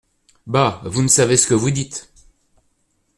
Bah ! vous ne savez ce que vous dites.